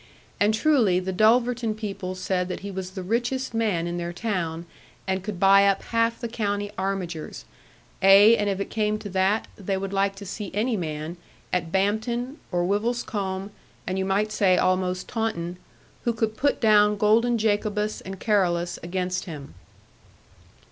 And truly, the Dulverton people said that he was the richest man in their town, and could buy up half the county armigers; 'ay, and if it came to that, they would like to see any man, at Bampton, or at Wivelscombe, and you might say almost Taunton, who could put down golden Jacobus and Carolus against him.